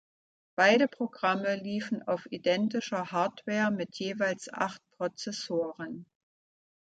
Beide Programme liefen auf identischer Hardware mit jeweils acht Prozessoren.